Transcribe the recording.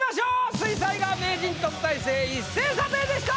水彩画名人・特待生一斉査定でした！